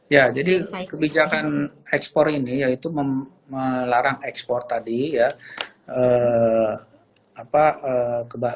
ya jadi kebijakan ekspor ini yaitu melarang ekspor tadi ya